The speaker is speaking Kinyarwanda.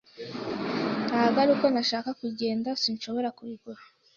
Ntabwo ari uko ntashaka kugenda, sinshobora kubigura.